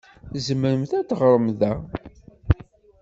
Tzemrem ad teɣṛem da.